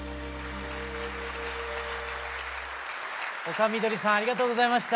丘みどりさんありがとうございました。